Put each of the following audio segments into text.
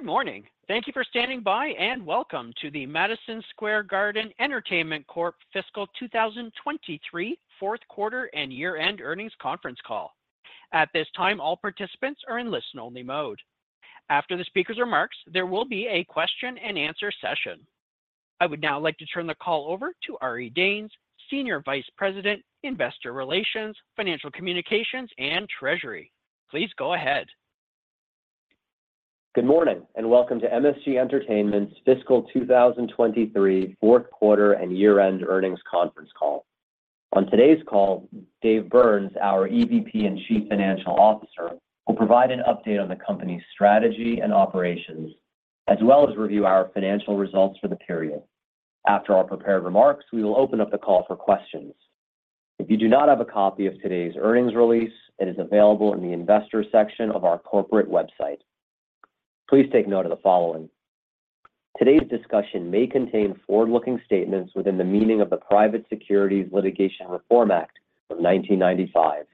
Good morning. Thank you for standing by, welcome to the Madison Square Garden Entertainment Corp Fiscal 2023 Q4 and year-end earnings conference call. At this time, all participants are in listen-only mode. After the speaker's remarks, there will be a question and answer session. I would now like to turn the call over to Ari Danes, Senior Vice President, Investor Relations, Financial Communications, and Treasury. Please go ahead. Good morning, welcome to MSG Entertainment's fiscal 2023 Q4 and year-end earnings conference call. On today's call, Dave Byrnes, our EVP and Chief Financial Officer, will provide an update on the company's strategy and operations, as well as review our financial results for the period. After our prepared remarks, we will open up the call for questions. If you do not have a copy of today's earnings release, it is available in the investor section of our corporate website. Please take note of the following: Today's discussion may contain forward-looking statements within the meaning of the Private Securities Litigation Reform Act of 1995.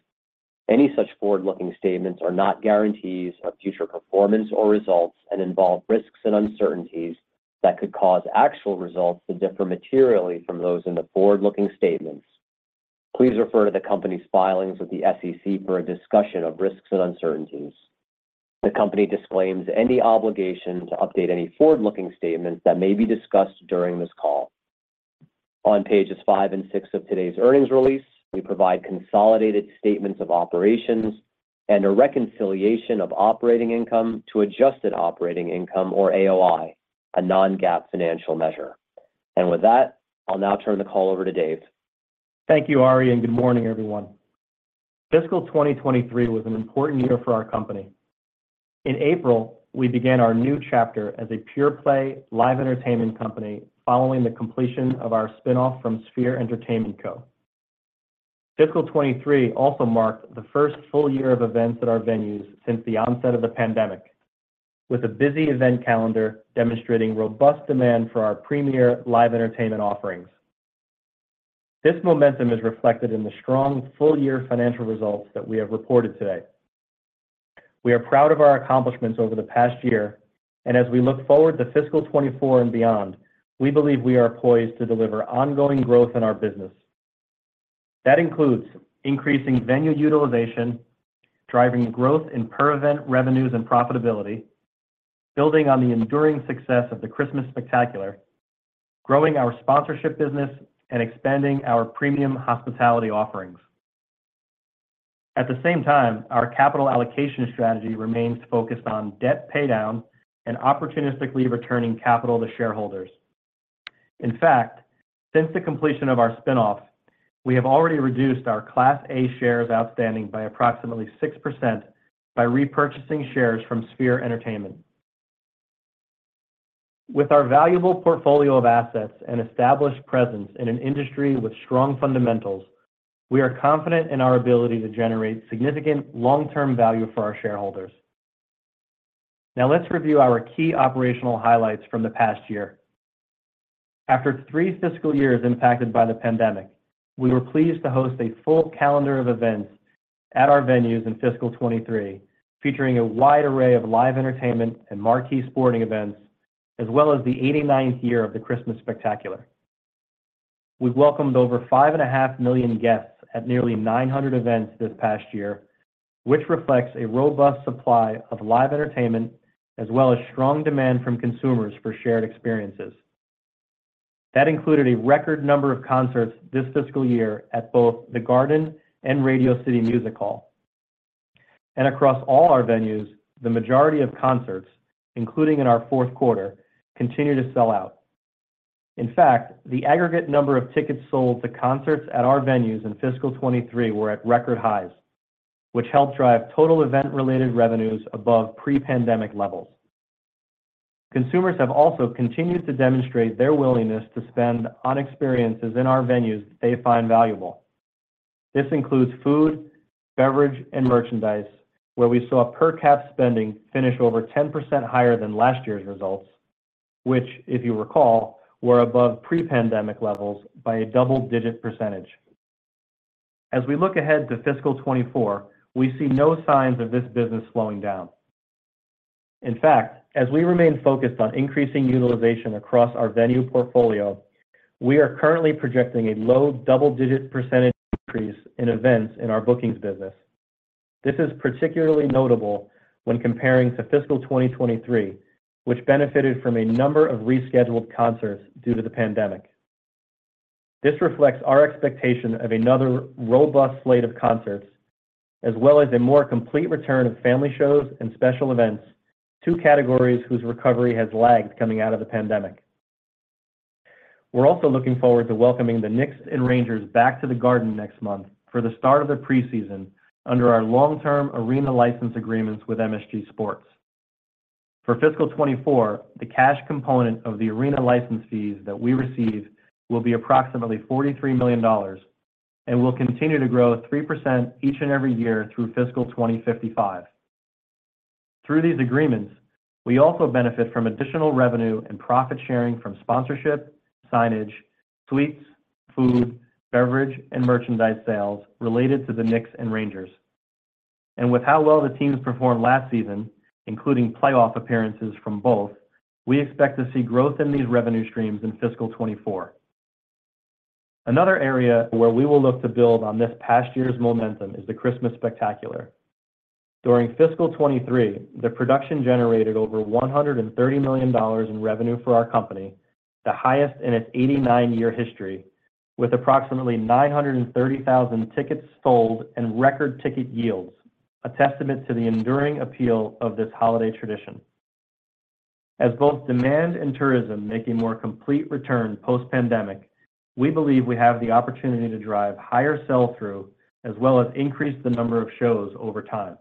Any such forward-looking statements are not guarantees of future performance or results and involve risks and uncertainties that could cause actual results to differ materially from those in the forward-looking statements. Please refer to the company's filings with the SEC for a discussion of risks and uncertainties. The company disclaims any obligation to update any forward-looking statements that may be discussed during this call. On pages five and six of today's earnings release, we provide consolidated statements of operations and a reconciliation of operating income to Adjusted Operating Income or AOI, a non-GAAP financial measure. With that, I'll now turn the call over to Dave. Thank you, Ari. Good morning, everyone. Fiscal 2023 was an important year for our company. In April, we began our new chapter as a pure-play live entertainment company following the completion of our spin-off from Sphere Entertainment Co. Fiscal 23 also marked the first full year of events at our venues since the onset of the pandemic, with a busy event calendar demonstrating robust demand for our premier live entertainment offerings. This momentum is reflected in the strong full-year financial results that we have reported today. We are proud of our accomplishments over the past year. As we look forward to fiscal 24 and beyond, we believe we are poised to deliver ongoing growth in our business. That includes increasing venue utilization, driving growth in per-event revenues and profitability, building on the enduring success of the Christmas Spectacular, growing our sponsorship business, and expanding our premium hospitality offerings. At the same time, our capital allocation strategy remains focused on debt paydown and opportunistically returning capital to shareholders. In fact, since the completion of our spin-off, we have already reduced our Class A shares outstanding by approximately 6% by repurchasing shares from Sphere Entertainment. With our valuable portfolio of assets and established presence in an industry with strong fundamentals, we are confident in our ability to generate significant long-term value for our shareholders. Now, let's review our key operational highlights from the past year. After 3 fiscal years impacted by the pandemic, we were pleased to host a full calendar of events at our venues in fiscal 2023, featuring a wide array of live entertainment and marquee sporting events, as well as the 89th year of the Christmas Spectacular. We've welcomed over 5.5 million guests at nearly 900 events this past year, which reflects a robust supply of live entertainment, as well as strong demand from consumers for shared experiences. That included a record number of concerts this fiscal year at both The Garden and Radio City Music Hall. Across all our venues, the majority of concerts, including in our Q4, continued to sell out. In fact, the aggregate number of tickets sold to concerts at our venues in fiscal 2023 were at record highs, which helped drive total event-related revenues above pre-pandemic levels. Consumers have also continued to demonstrate their willingness to spend on experiences in our venues they find valuable. This includes food, beverage, and merchandise, where we saw per caps spending finish over 10% higher than last year's results, which, if you recall, were above pre-pandemic levels by a double-digit percentage. As we look ahead to fiscal 2024, we see no signs of this business slowing down. In fact, as we remain focused on increasing utilization across our venue portfolio, we are currently projecting a low double-digit percentage increase in events in our bookings business. This is particularly notable when comparing to fiscal 2023, which benefited from a number of rescheduled concerts due to the pandemic. This reflects our expectation of another robust slate of concerts, as well as a more complete return of family shows and special events, two categories whose recovery has lagged coming out of the pandemic. We're also looking forward to welcoming the Knicks and Rangers back to The Garden next month for the start of the preseason under our long-term arena license agreements with MSG Sports. For fiscal 2024, the cash component of the arena license fees that we receive will be approximately $43 million and will continue to grow 3% each and every year through fiscal 2055. Through these agreements, we also benefit from additional revenue and profit sharing from sponsorship, signage, suites, food, beverage, and merchandise sales related to the Knicks and Rangers. With how well the teams performed last season, including playoff appearances from both, we expect to see growth in these revenue streams in fiscal 2024. Another area where we will look to build on this past year's momentum is the Christmas Spectacular. During fiscal 2023, the production generated over $130 million in revenue for our company, the highest in its 89-year history, with approximately 930,000 tickets sold and record ticket yields, a testament to the enduring appeal of this holiday tradition. As both demand and tourism make a more complete return post-pandemic, we believe we have the opportunity to drive higher sell-through, as well as increase the number of shows over time.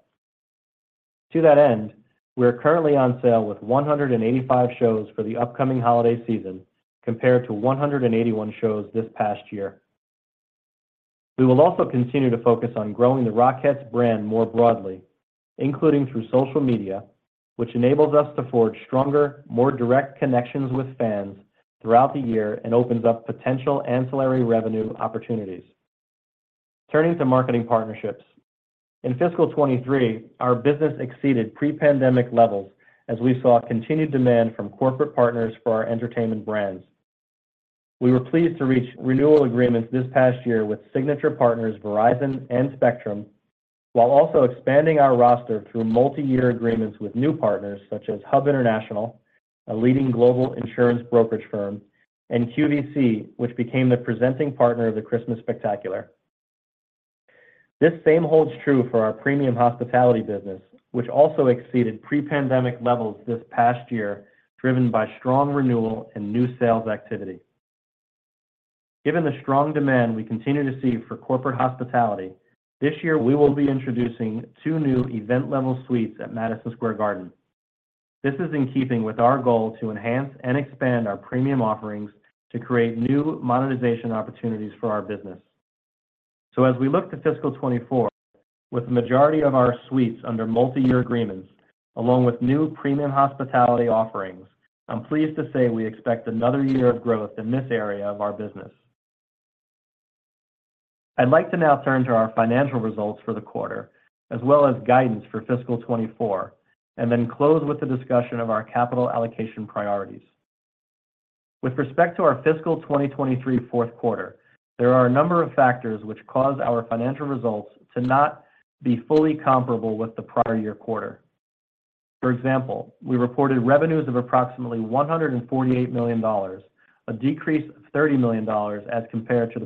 To that end, we are currently on sale with 185 shows for the upcoming holiday season, compared to 181 shows this past year. We will also continue to focus on growing the Rockettes brand more broadly, including through social media, which enables us to forge stronger, more direct connections with fans throughout the year and opens up potential ancillary revenue opportunities. Turning to marketing partnerships. In fiscal 2023, our business exceeded pre-pandemic levels as we saw continued demand from corporate partners for our entertainment brands. We were pleased to reach renewal agreements this past year with signature partners Verizon and Spectrum, while also expanding our roster through multiyear agreements with new partners such as Hub International, a leading global insurance brokerage firm, and QVC, which became the presenting partner of the Christmas Spectacular. This same holds true for our premium hospitality business, which also exceeded pre-pandemic levels this past year, driven by strong renewal and new sales activity. Given the strong demand we continue to see for corporate hospitality, this year we will be introducing 2 new event-level suites at Madison Square Garden. This is in keeping with our goal to enhance and expand our premium offerings to create new monetization opportunities for our business. As we look to fiscal 2024, with the majority of our suites under multiyear agreements, along with new premium hospitality offerings, I'm pleased to say we expect another year of growth in this area of our business. I'd like to now turn to our financial results for the quarter, as well as guidance for fiscal 2024, and then close with a discussion of our capital allocation priorities. With respect to our fiscal 2023 Q4, there are a number of factors which cause our financial results to not be fully comparable with the prior year quarter. For example, we reported revenues of approximately $148 million, a decrease of $30 million as compared to the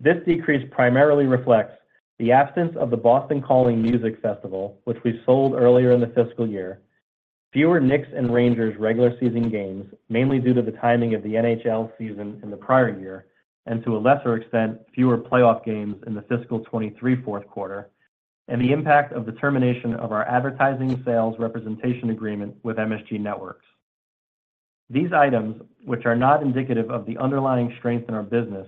prior year quarter. This decrease primarily reflects the absence of the Boston Calling Music Festival, which we sold earlier in the fiscal year. Fewer Knicks and Rangers regular season games, mainly due to the timing of the NHL season in the prior year, and to a lesser extent, fewer playoff games in the fiscal 2023 Q4, and the impact of the termination of our advertising sales representation agreement with MSG Networks. These items, which are not indicative of the underlying strength in our business,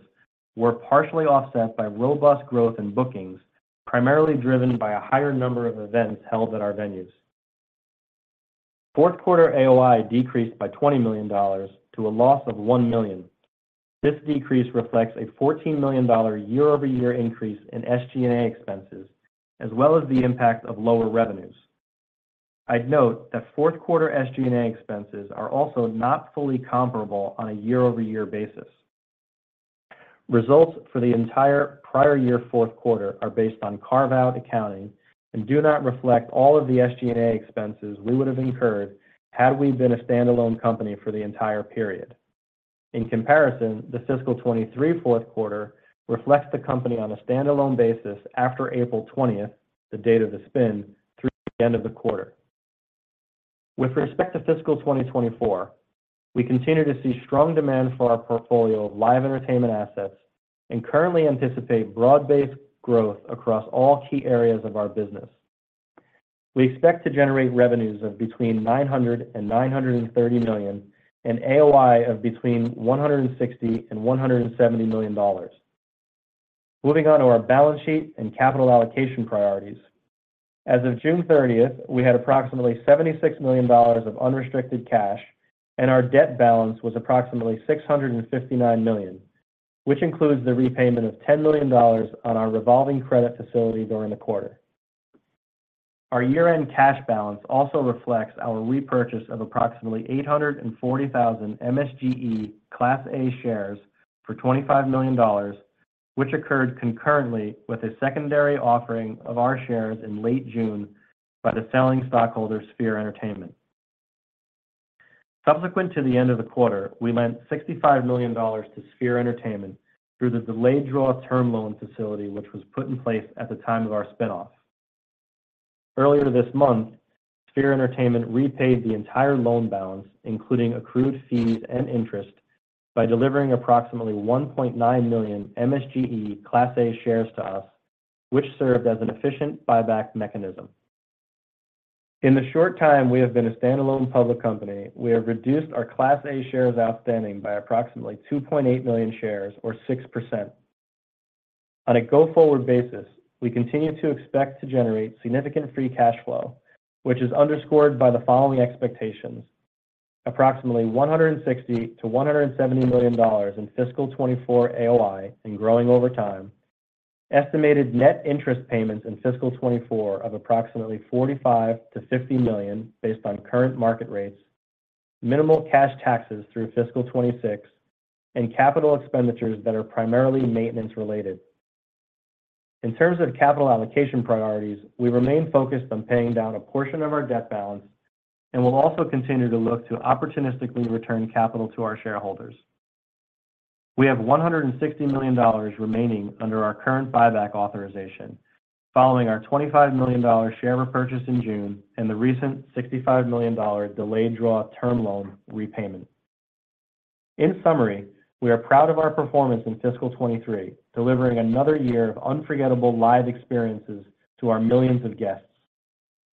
were partially offset by robust growth in bookings, primarily driven by a higher number of events held at our venues. Q4 AOI decreased by $20 million to a loss of $1 million. This decrease reflects a $14 million year-over-year increase in SG&A expenses, as well as the impact of lower revenues. I'd note that Q4 SG&A expenses are also not fully comparable on a year-over-year basis. Results for the entire prior year Q4 are based on carve-out accounting and do not reflect all of the SG&A expenses we would have incurred had we been a standalone company for the entire period. In comparison, the fiscal 23 Q4 reflects the company on a standalone basis after April 20th, the date of the spin, through the end of the quarter. With respect to fiscal 2024, we continue to see strong demand for our portfolio of live entertainment assets and currently anticipate broad-based growth across all key areas of our business. We expect to generate revenues of between $900 million and $930 million, and AOI of between $160 million and $170 million. Moving on to our balance sheet and capital allocation priorities. As of June 30th, we had approximately $76 million of unrestricted cash, and our debt balance was approximately $659 million, which includes the repayment of $10 million on our revolving credit facility during the quarter. Our year-end cash balance also reflects our repurchase of approximately 840,000 MSGE Class A shares for $25 million, which occurred concurrently with a secondary offering of our shares in late June by the selling stockholder, Sphere Entertainment. Subsequent to the end of the quarter, we lent $65 million to Sphere Entertainment through the delayed draw term loan facility, which was put in place at the time of our spin-off. Earlier this month, Sphere Entertainment repaid the entire loan balance, including accrued fees and interest, by delivering approximately 1.9 million MSGE Class A shares to us, which served as an efficient buyback mechanism. In the short time we have been a standalone public company, we have reduced our Class A shares outstanding by approximately 2.8 million shares, or 6%. On a go-forward basis, we continue to expect to generate significant free cash flow, which is underscored by the following expectations: approximately $160 million-$170 million in fiscal 2024 AOI and growing over time, estimated net interest payments in fiscal 2024 of approximately $45 million-$50 million based on current market rates, minimal cash taxes through fiscal 2026, and capital expenditures that are primarily maintenance-related. In terms of capital allocation priorities, we remain focused on paying down a portion of our debt balance, and we'll also continue to look to opportunistically return capital to our shareholders. We have $160 million remaining under our current buyback authorization, following our $25 million share repurchase in June and the recent $65 million delayed draw term loan repayment. In summary, we are proud of our performance in fiscal 23, delivering another year of unforgettable live experiences to our millions of guests.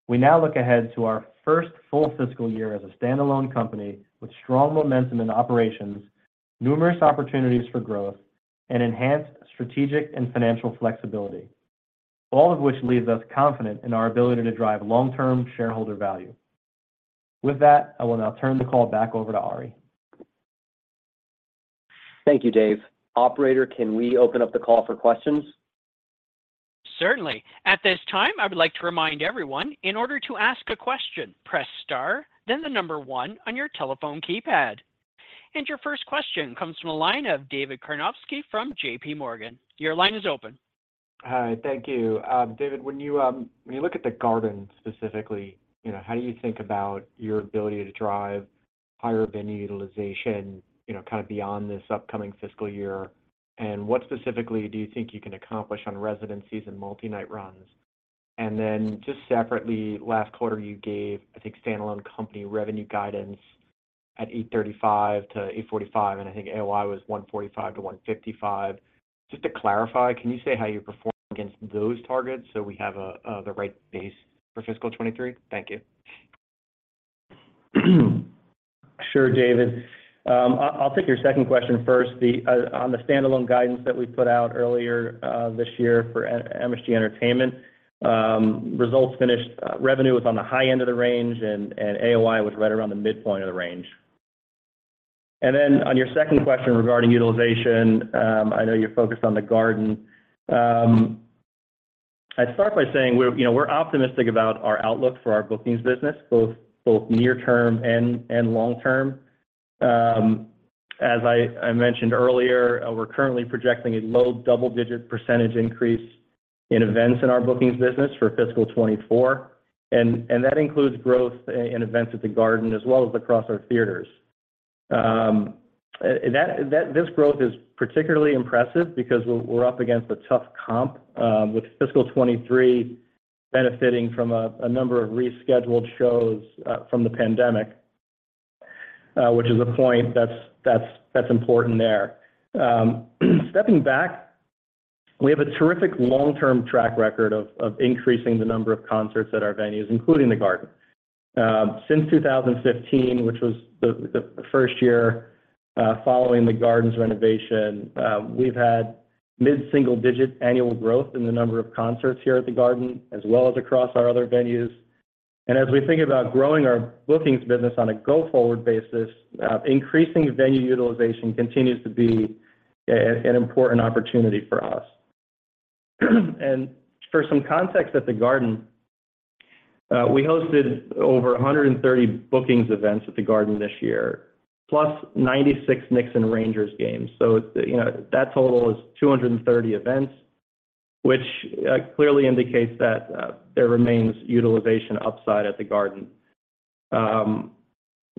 We now look ahead to our first full fiscal year as a standalone company with strong momentum in operations, numerous opportunities for growth, and enhanced strategic and financial flexibility, all of which leaves us confident in our ability to drive long-term shareholder value. With that, I will now turn the call back over to Ari. Thank you, Dave. Operator, can we open up the call for questions? Certainly. At this time, I would like to remind everyone, in order to ask a question, press Star, then the number 1 on your telephone keypad. Your first question comes from the line of David Karnovsky from JPMorgan. Your line is open. Hi, thank you. David, when you, when you look at The Garden specifically, you know, how do you think about your ability to drive higher venue utilization, you know, kind of beyond this upcoming fiscal year? What specifically do you think you can accomplish on residencies and multi-night runs? Then just separately, last quarter, you gave, I think, standalone company revenue guidance at $835 million-$845 million, and I think AOI was $145 million-$155 million. Just to clarify, can you say how you performed against those targets so we have the right base for fiscal 2023? Thank you. Sure, David. I'll, I'll take your second question first. The on the standalone guidance that we put out earlier this year for MSG Entertainment, results finished, revenue was on the high end of the range, and, and AOI was right around the midpoint of the range. Then on your second question regarding utilization, I know you're focused on the Garden. I'd start by saying we're, you know, we're optimistic about our outlook for our bookings business, both, both near term and, and long term. As I, I mentioned earlier, we're currently projecting a low double-digit % increase in events in our bookings business for fiscal 24, and, and that includes growth in events at the Garden as well as across our theaters. This growth is particularly impressive because we're, we're up against a tough comp, with fiscal 2023 benefiting from a number of rescheduled shows from the pandemic, which is a point that's, that's, that's important there. Stepping back, we have a terrific long-term track record of increasing the number of concerts at our venues, including The Garden. Since 2015, which was the first year following The Garden's renovation, we've had mid-single-digit annual growth in the number of concerts here at The Garden, as well as across our other venues. As we think about growing our bookings business on a go-forward basis, increasing venue utilization continues to be an important opportunity for us. For some context at The Garden, we hosted over 130 bookings events at The Garden this year, plus 96 Knicks and Rangers games. You know, that total is 230 events, which clearly indicates that there remains utilization upside at The Garden.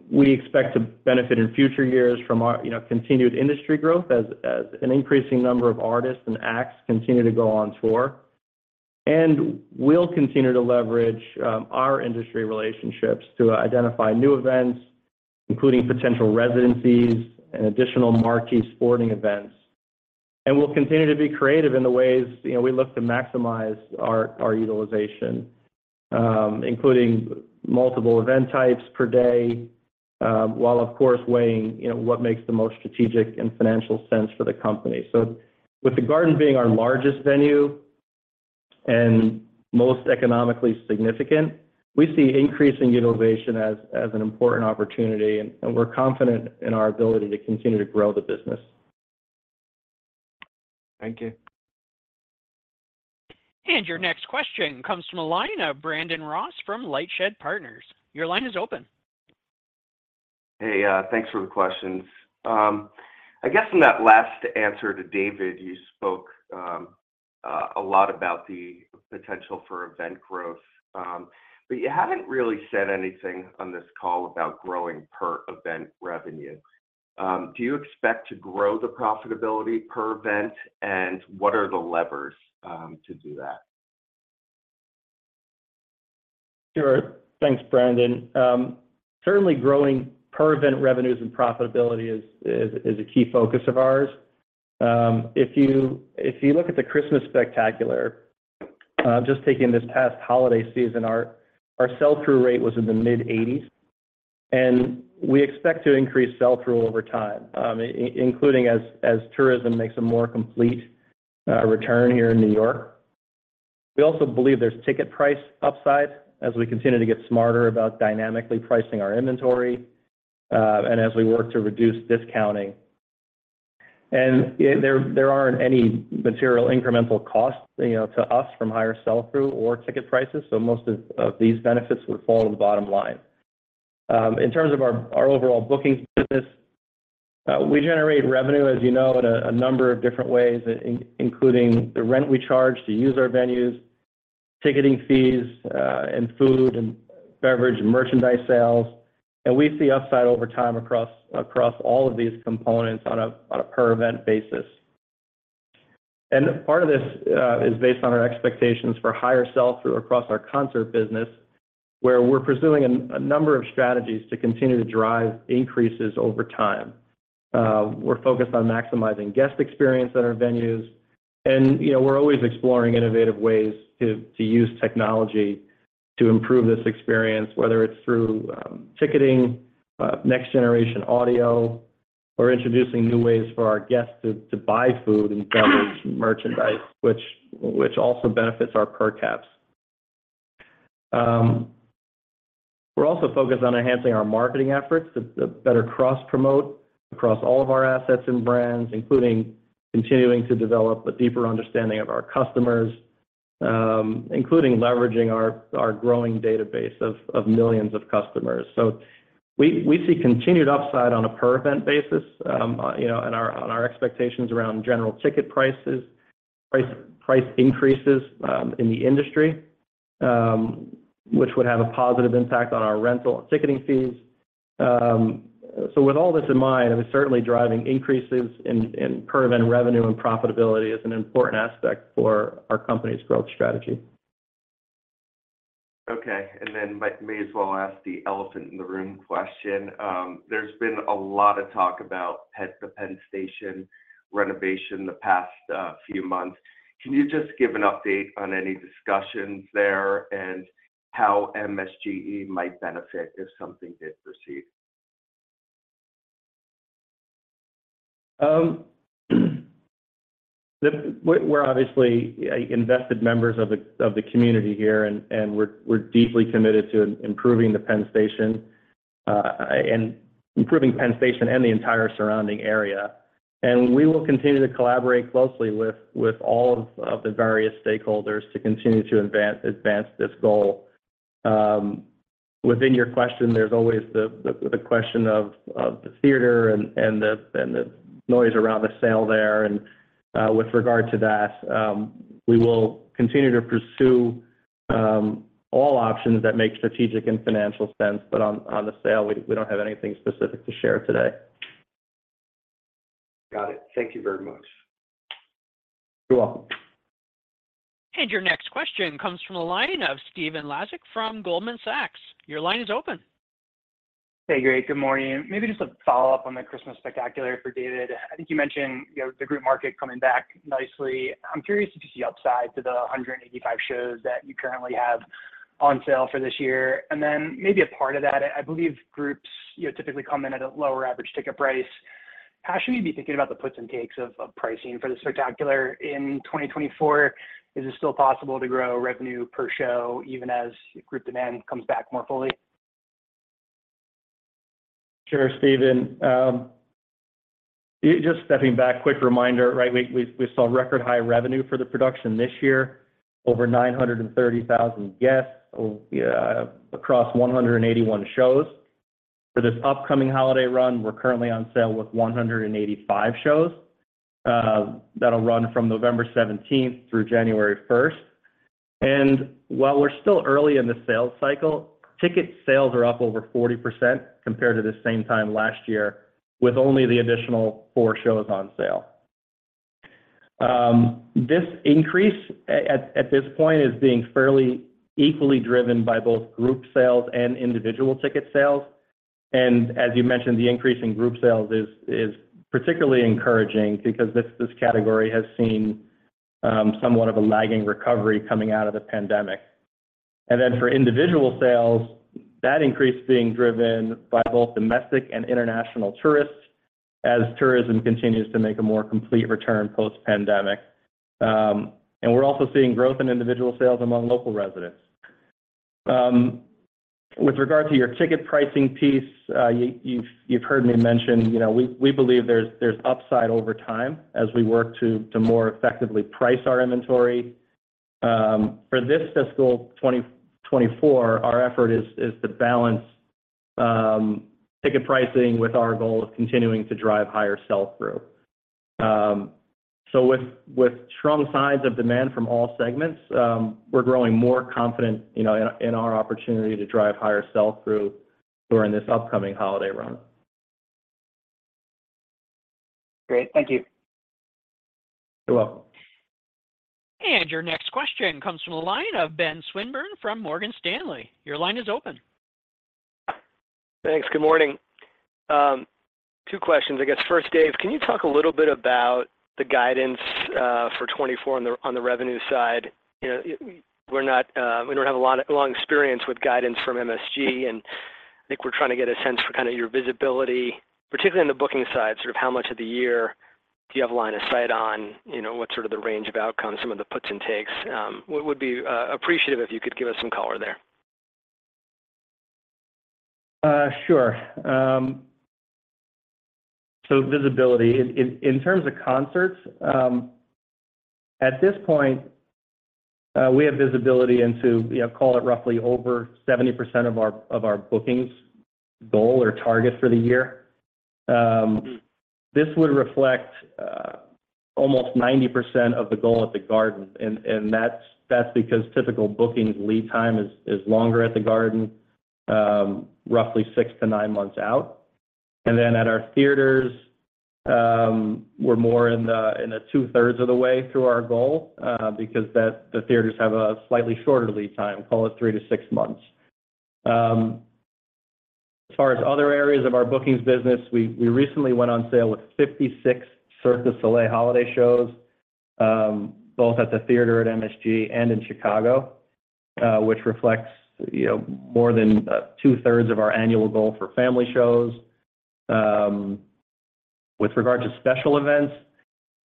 We expect to benefit in future years from our, you know, continued industry growth as an increasing number of artists and acts continue to go on tour. We'll continue to leverage our industry relationships to identify new events, including potential residencies and additional marquee sporting events. We'll continue to be creative in the ways, you know, we look to maximize our utilization, including multiple event types per day, while, of course, weighing, you know, what makes the most strategic and financial sense for the company. With the Garden being our largest venue and most economically significant, we see increasing innovation as an important opportunity, and we're confident in our ability to continue to grow the business. Thank you. Your next question comes from the line of Brandon Ross from LightShed Partners. Your line is open. Hey, thanks for the questions. I guess in that last answer to David, you spoke a lot about the potential for event growth, but you haven't really said anything on this call about growing per event revenue. Do you expect to grow the profitability per event, and what are the levers to do that? Sure. Thanks, Brandon. Certainly growing per event revenues and profitability is, is, is a key focus of ours. If you, if you look at the Christmas Spectacular, just taking this past holiday season, our, our sell-through rate was in the mid-80s. We expect to increase sell-through over time, including as, as tourism makes a more complete return here in New York. We also believe there's ticket price upside as we continue to get smarter about dynamically pricing our inventory, and as we work to reduce discounting. Yeah, there, there aren't any material incremental costs, you know, to us from higher sell-through or ticket prices, so most of, of these benefits would fall to the bottom line. In terms of our, our overall booking business, we generate revenue, as you know, in a number of different ways, including the rent we charge to use our venues, ticketing fees, and food and beverage and merchandise sales. We see upside over time across all of these components on a per event basis. Part of this is based on our expectations for higher sell-through across our concert business, where we're pursuing a number of strategies to continue to drive increases over time. We're focused on maximizing guest experience at our venues, and, you know, we're always exploring innovative ways to use technology to improve this experience, whether it's through ticketing, next-generation audio, or introducing new ways for our guests to buy food and beverage merchandise, which also benefits our per caps. We're also focused on enhancing our marketing efforts to better cross-promote across all of our assets and brands, including continuing to develop a deeper understanding of our customers, including leveraging our, our growing database of millions of customers. We, we see continued upside on a per event basis, you know, and our-- on our expectations around general ticket prices, price increases, in the industry, which would have a positive impact on our rental and ticketing fees. With all this in mind, and certainly driving increases in per event revenue and profitability is an important aspect for our company's growth strategy. Okay, and then may as well ask the elephant in the room question. There's been a lot of talk about Penn, the Penn Station renovation the past few months. Can you just give an update on any discussions there, and how MSGE might benefit if something did proceed? The... We're, we're obviously invested members of the, of the community here, and, and we're, we're deeply committed to improving the Penn Station and improving Penn Station and the entire surrounding area. We will continue to collaborate closely with, with all of, of the various stakeholders to continue to advance, advance this goal. Within your question, there's always the, the, the question of, of the theater and, and the, and the noise around the sale there. With regard to that, we will continue to pursue all options that make strategic and financial sense. On, on the sale, we, we don't have anything specific to share today. Got it. Thank you very much. You're welcome. Your next question comes from the line of Stephen Laszczyk from Goldman Sachs. Your line is open. Hey, great. Good morning. Maybe just a follow-up on the Christmas Spectacular for David. I think you mentioned, you know, the group market coming back nicely. I'm curious if you see upside to the 185 shows that you currently have on sale for this year. Maybe a part of that, I believe groups, you know, typically come in at a lower average ticket price. How should we be thinking about the puts and takes of, of pricing for the Spectacular in 2024? Is it still possible to grow revenue per show, even as group demand comes back more fully? Sure, Stephen. Just stepping back, quick reminder, right? We saw record high revenue for the production this year, over 930,000 guests across 181 shows. For this upcoming holiday run, we're currently on sale with 185 shows. That'll run from November 17th through January 1st. While we're still early in the sales cycle, ticket sales are up over 40% compared to the same time last year, with only the additional four shows on sale. This increase at this point is being fairly equally driven by both group sales and individual ticket sales. As you mentioned, the increase in group sales is particularly encouraging because this category has seen somewhat of a lagging recovery coming out of the pandemic. Then for individual sales, that increase being driven by both domestic and international tourists, as tourism continues to make a more complete return post-pandemic. We're also seeing growth in individual sales among local residents. With regard to your ticket pricing piece, you, you've, you've heard me mention, you know, we, we believe there's, there's upside over time as we work to, to more effectively price our inventory. For this fiscal 2024, our effort is, is to balance ticket pricing with our goal of continuing to drive higher sell-through. With, with strong signs of demand from all segments, we're growing more confident, you know, in, in our opportunity to drive higher sell-through during this upcoming holiday run. Great. Thank you. You're welcome. Your next question comes from the line of Ben Swinburne from Morgan Stanley. Your line is open. Thanks. Good morning. Two questions, I guess. First, Dave, can you talk a little bit about the guidance for 2024 on the, on the revenue side? You know, we're not, we don't have a lot of long experience with guidance from MSG, and I think we're trying to get a sense for kind of your visibility, particularly in the booking side, sort of how much of the year do you have a line of sight on? You know, what sort of the range of outcomes, some of the puts and takes. What would be appreciative if you could give us some color there? Sure. Visibility. In terms of concerts, at this point, we have visibility into, you know, call it roughly over 70% of our bookings goal or target for the year. This would reflect almost 90% of the goal at The Garden, and that's because typical bookings lead time is longer at The Garden, roughly 6-9 months out. At our theaters, we're more in the two-thirds of the way through our goal, because the theaters have a slightly shorter lead time, call it 3-6 months. As far as other areas of our bookings business, we, we recently went on sale with 56 Cirque du Soleil holiday shows, both at The Theater at MSG and in Chicago, which reflects, you know, more than two-thirds of our annual goal for family shows. With regard to special events,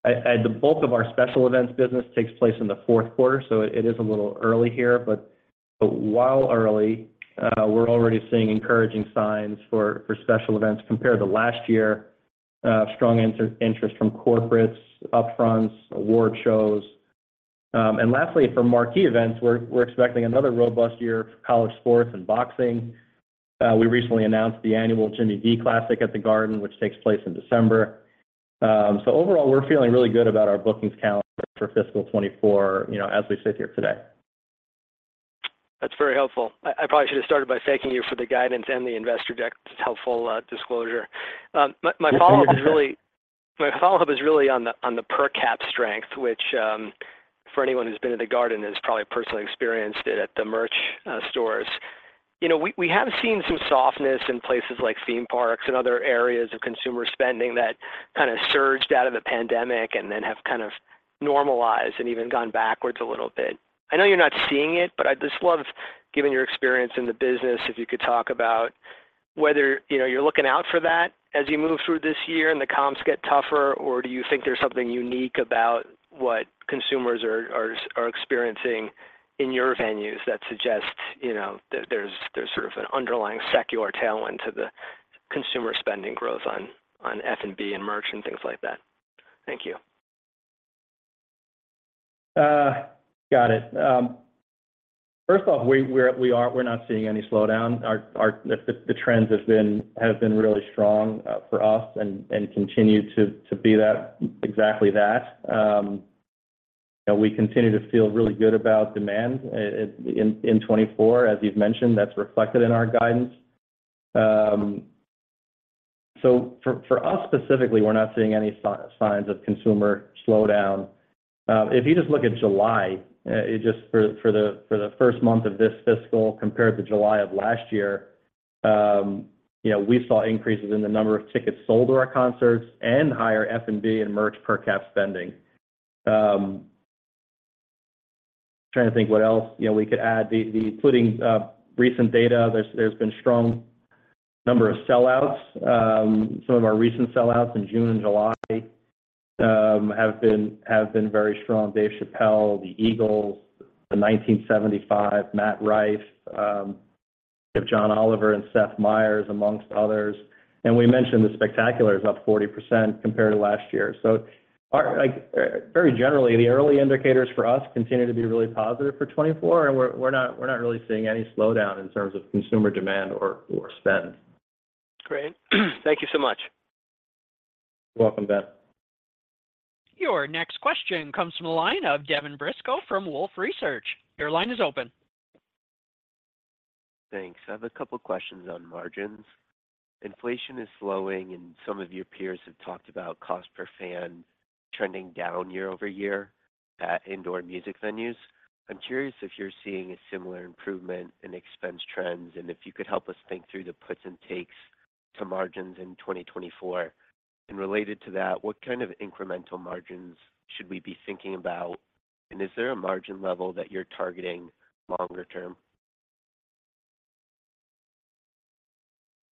at the bulk of our special events, business takes place in the Q4, so it is a little early here, but while early, we're already seeing encouraging signs for, for special events compared to last year. Strong inter-interest from corporates, upfronts, award shows. Lastly, for marquee events, we're expecting another robust year for college sports and boxing. We recently announced the annual Jimmy V Classic at The Garden, which takes place in December. Overall, we're feeling really good about our bookings calendar for fiscal 2024, you know, as we sit here today. That's very helpful. I, I probably should have started by thanking you for the guidance and the investor deck. It's helpful disclosure. My follow-up is really on the per cap strength, which, for anyone who's been at The Garden has probably personally experienced it at the merch stores. You know, we, we have seen some softness in places like theme parks and other areas of consumer spending that kind of surged out of the pandemic and then have kind of normalized and even gone backwards a little bit. I know you're not seeing it, but I just love, given your experience in the business, if you could talk about whether, you know, you're looking out for that as you move through this year and the comps get tougher, or do you think there's something unique about what consumers are experiencing in your venues that suggest, you know, there's sort of an underlying secular tailwind to the consumer spending growth on, on F&B and merch and things like that? Thank you. Got it. First off, we are, we're not seeing any slowdown. Our, the trends have been really strong for us and continue to be that, exactly that. We continue to feel really good about demand in 2024, as you've mentioned, that's reflected in our guidance. For, for us specifically, we're not seeing any signs of consumer slowdown. If you just look at July, it just for the first month of this fiscal, compared to July of last year, you know, we saw increases in the number of tickets sold to our concerts and higher F&B and merch per cap spending. Trying to think what else, you know, we could add. The putting recent data, there's been strong number of sellouts. Some of our recent sellouts in June and July have been, have been very strong. Dave Chappelle, the Eagles, The 1975, Matt Rife, if John Oliver and Seth Meyers, amongst others. We mentioned the Spectacular is up 40% compared to last year. Our, like, very generally, the early indicators for us continue to be really positive for 2024, and we're, we're not, we're not really seeing any slowdown in terms of consumer demand or, or spend. Great. Thank you so much. You're welcome, Ben. Your next question comes from the line of Devin Briscoe from Wolfe Research. Your line is open. Thanks. I have a couple of questions on margins. Inflation is slowing, and some of your peers have talked about cost per fan trending down year-over-year at indoor music venues. I'm curious if you're seeing a similar improvement in expense trends, and if you could help us think through the puts and takes to margins in 2024. Related to that, what kind of incremental margins should we be thinking about, and is there a margin level that you're targeting longer term?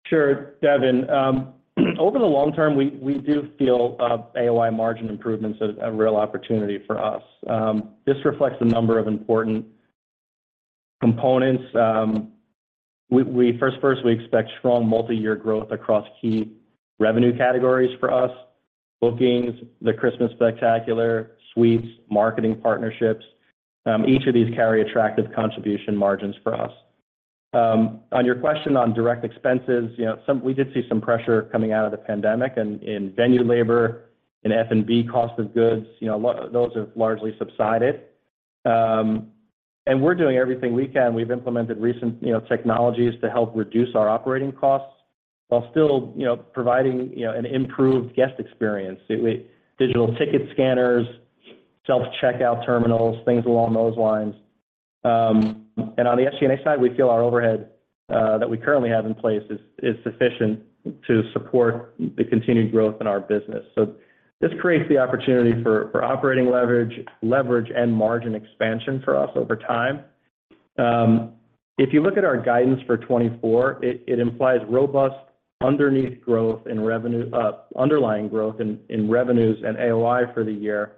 Sure, Devin. Over the long term, we, we do feel AOI margin improvements are a real opportunity for us. This reflects a number of important components. We, we first, first, we expect strong multi-year growth across key revenue categories for us: bookings, the Christmas Spectacular, suites, marketing partnerships. Each of these carry attractive contribution margins for us. On your question on direct expenses, you know, we did see some pressure coming out of the pandemic and in venue labor, in F&B cost of goods, you know, a lot of those have largely subsided. And we're doing everything we can. We've implemented recent, you know, technologies to help reduce our operating costs while still, you know, providing, you know, an improved guest experience. Digital ticket scanners, self-checkout terminals, things along those lines. On the SG&A side, we feel our overhead that we currently have in place is sufficient to support the continued growth in our business. This creates the opportunity for operating leverage and margin expansion for us over time. If you look at our guidance for 2024, it implies robust underlying growth in revenues and AOI for the year,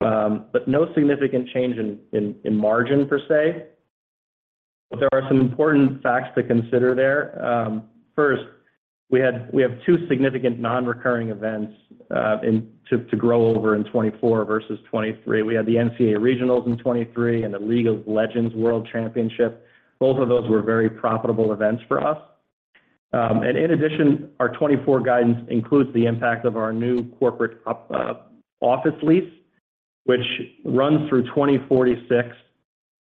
but no significant change in margin per se. There are some important facts to consider there. First, we have two significant non-recurring events to grow over in 2024 versus 2023. We had the NCAA Regionals in 2023 and the League of Legends World Championship. Both of those were very profitable events for us. In addition, our 2024 guidance includes the impact of our new corporate office lease, which runs through 2046,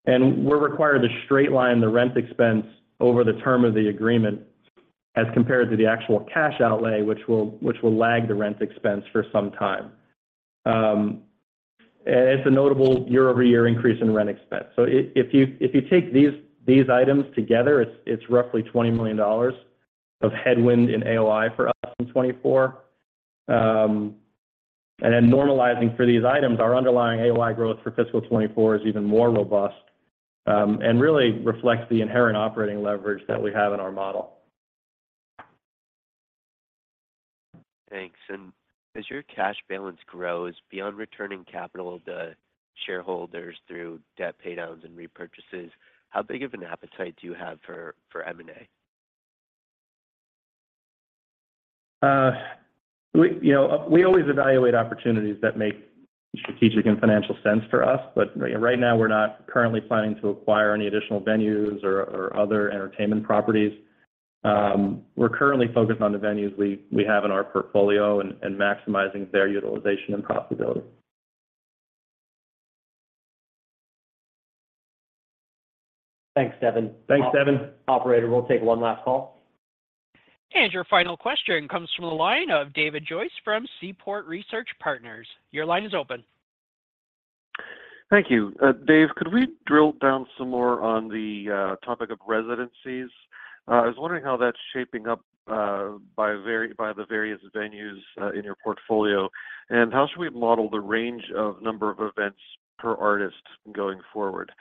and we're required to straight line the rent expense over the term of the agreement as compared to the actual cash outlay, which will lag the rent expense for some time. It's a notable year-over-year increase in rent expense. If you take these items together, it's roughly $20 million of headwind in AOI for us in 2024. Normalizing for these items, our underlying AOI growth for fiscal 2024 is even more robust and really reflects the inherent operating leverage that we have in our model. Thanks. As your cash balance grows, beyond returning capital to shareholders through debt paydowns and repurchases, how big of an appetite do you have for M&A? We, you know, we always evaluate opportunities that make strategic and financial sense for us. You know, right now, we're not currently planning to acquire any additional venues or, or other entertainment properties. We're currently focused on the venues we, we have in our portfolio and, and maximizing their utilization and profitability. Thanks, Devin. Thanks, Devin. Operator, we'll take one last call. Your final question comes from the line of David Joyce from Seaport Research Partners. Your line is open. Thank you. Dave, could we drill down some more on the topic of residencies? I was wondering how that's shaping up by the various venues in your portfolio. How should we model the range of number of events per artist going forward?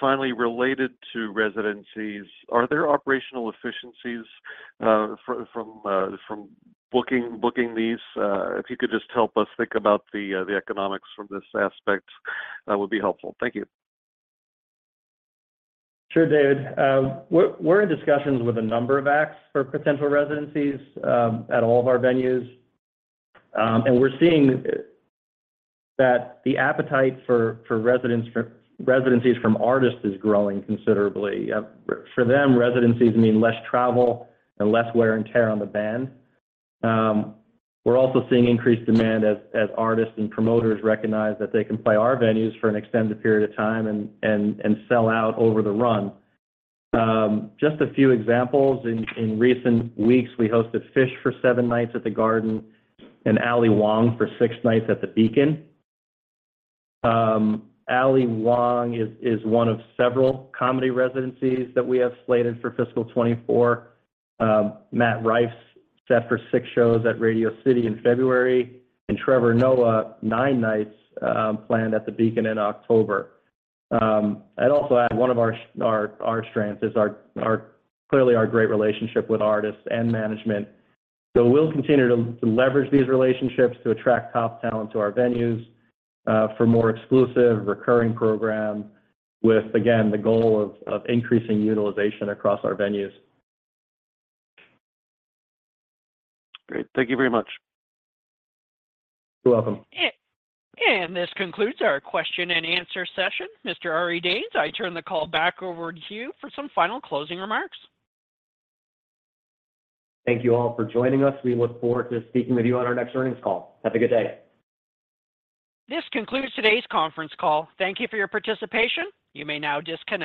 Finally, related to residencies, are there operational efficiencies from booking these? If you could just help us think about the economics from this aspect, that would be helpful. Thank you. Sure, David. We're, we're in discussions with a number of acts for potential residencies at all of our venues. We're seeing that the appetite for, for residence, residencies from artists is growing considerably. For them, residencies mean less travel and less wear and tear on the band. We're also seeing increased demand as, as artists and promoters recognize that they can play our venues for an extended period of time and, and, and sell out over the run. Just a few examples, in, in recent weeks, we hosted Phish for 7 nights at The Garden and Ali Wong for 6 nights at the Beacon. Ali Wong is, is one of several comedy residencies that we have slated for fiscal 2024. Matt Rife's set for 6 shows at Radio City in February. Trevor Noah, 9 nights, planned at the Beacon in October. I'd also add one of our our, our strengths is our, our, clearly our great relationship with artists and management. We'll continue to, to leverage these relationships to attract top talent to our venues for more exclusive, recurring program, with, again, the goal of, of increasing utilization across our venues. Great. Thank you very much. You're welcome. This concludes our question and answer session. Mr. Ari Danes, I turn the call back over to you for some final closing remarks. Thank you all for joining us. We look forward to speaking with you on our next earnings call. Have a good day. This concludes today's conference call. Thank you for your participation. You may now disconnect.